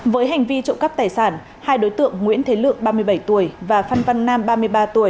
với hành vi trộm cắp tài sản hai đối tượng nguyễn thế lượng ba mươi bảy tuổi và phan văn nam ba mươi ba tuổi